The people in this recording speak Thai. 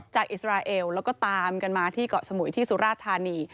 อิสราเอลแล้วก็ตามกันมาที่เกาะสมุยที่สุราธานี